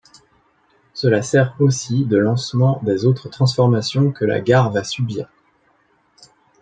Cela sert aussi de lancement des autres transformations que la gare va subir.